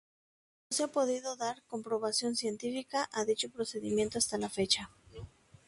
No se ha podido dar comprobación científica a dicho procedimiento hasta la fecha.